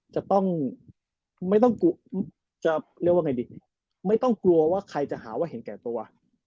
จะต้องไม่ต้องกลัวว่าใครจะหาว่าเห็นแก่ตัว